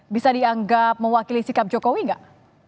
bisa dianggap mewakili sikap jokowi nggak